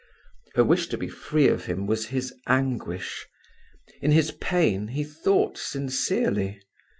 Her wish to be free of him was his anguish. In his pain he thought sincerely.